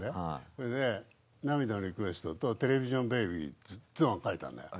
それで「涙のリクエスト」と「テレビジョンベイビーズ」っていうのを書いたんだよ。